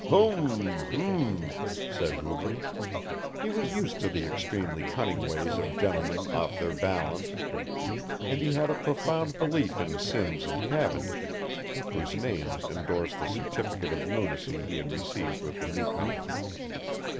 "Hum, hum," said Hoover. He was used to the extremely cunning ways of gentlemen off their balance, and he had a profound belief in Simms and Cavendish, whose names endorsed the certificate of lunacy he had received with the newcomer.